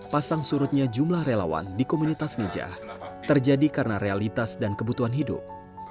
pasang surutnya jumlah relawan di komunitas ngeja terjadi karena realitas dan kebutuhan hidup